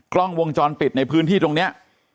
กล้องวงจรปิดในพื้นที่ตรงนี้